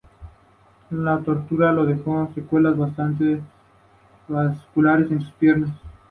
La tortura le dejó secuelas vasculares en sus piernas.